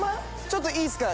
ちょっといいっすか？